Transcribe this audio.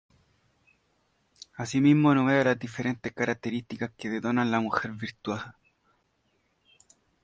Asimismo enumera las diferentes características que denotan a la mujer virtuosa.